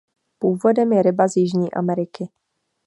Původem je ryba z Jižní Ameriky.